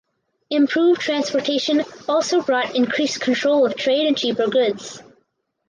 Improved transportation also brought increased control of the trade and cheaper goods.